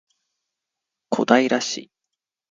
小平市